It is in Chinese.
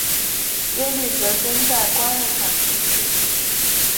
耶律铎轸在官任上去世。